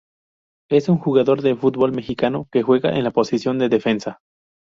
Es un jugador de fútbol mexicano que juega en la posición de defensa.